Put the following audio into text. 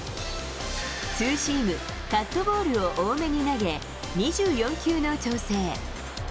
ツーシーム、カットボールを多めに投げ、２４球の調整。